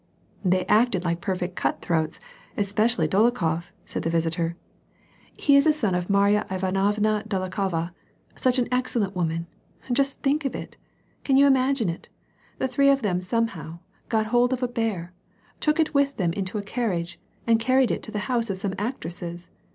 " They acted like perfect cut throats, especially Dolokhof," said the visitor. " He is a son of Marya Ivanovna Dol okhova, — such an excellent woman, just think of it! Can you imagine it ? the three of them somehow, got hold of a bear, took it with them into a carriage, and carried it to the house of soiue actresses.